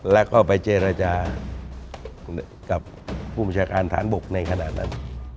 และเข้าไปเจรจากับผู้บัญชาการฐานบกในขณะนั้น